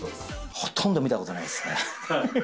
ほとんど見たことないですね。